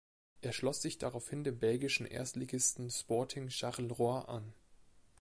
Er schloss sich daraufhin dem belgischen Erstligisten Sporting Charleroi an.